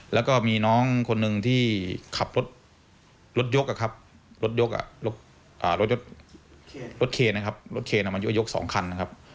แล้วก็มีน้องคนนึงที่ขับรถยกรถเคนนะครับรถเคนอยู่มายก๒คันครับ